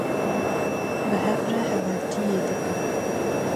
Bi hev re hevaltiye dikin.